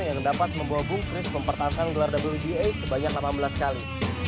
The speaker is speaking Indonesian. yang dapat membawa bung kris mempertahankan gelar wba sebanyak delapan belas kali